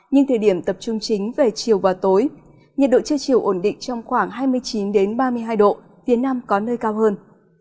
nhưng thời điểm tập trung chính về chiều và tối nhiệt độ chưa chiều ổn định trong khoảng hai mươi chín ba mươi hai độ phía nam có nơi cao hơn